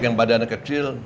yang badannya kecil